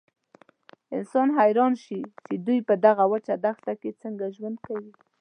انسان حیران شي چې دوی په دغه وچه دښته کې څنګه ژوند کوي.